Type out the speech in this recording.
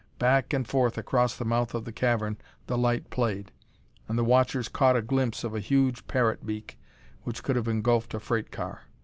Back and forth across the mouth of the cavern the light played, and the watchers caught a glimpse of a huge parrot beak which could have engulfed a freight car.